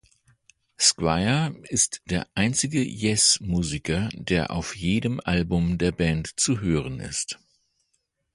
Squire ist der einzige Yes-Musiker, der auf jedem Album der Band zu hören ist.